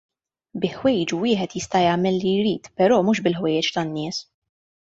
Bi ħwejġu wieħed jista' jagħmel li jrid però mhux bil-ħwejjeġ tan-nies.